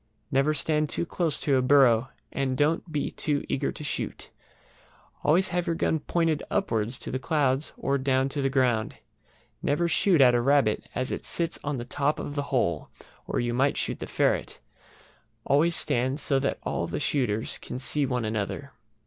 Never stand too close to a burrow, and don't be too eager to shoot. Always have your gun pointed upwards to the clouds or down to the ground. Never shoot at a rabbit as it sits on the top of the hole, or you might shoot the ferret. Always stand so that all the shooters can see one another.